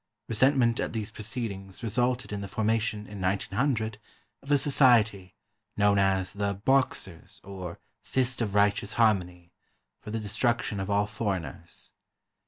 Resentment at these proceedings resulted in the formation in 1900 of a society, known as the "Boxers" or "Fist of Righteous Harmony," for the destruction of all foreigners.